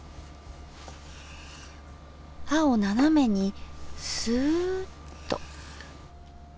刃を斜めにすっと。